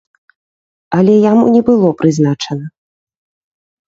Але яму не было прызначана.